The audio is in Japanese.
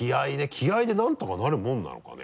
気合でなんとかなるもんなのかね？